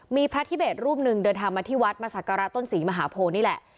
มีพระทิเศษรูปหนึ่งเดินทางมาที่วัดมาศักระต้นศรีมหาโพนี่แหละ